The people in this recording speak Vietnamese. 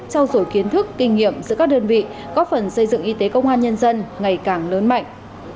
trao dổi kiến thức kinh nghiệm giữa các đơn vị góp phần xây dựng y tế công an nhân dân ngày càng lớn mạnh